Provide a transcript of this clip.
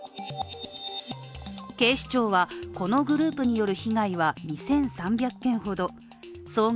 警視庁はこのグループによる被害は２３００件ほど総額